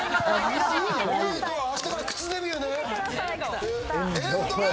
明日から靴デビューね！